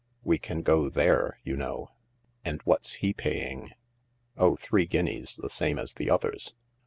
We can go there, you know." " And what's he paying ?"" Oh, three guineas, the same as the others."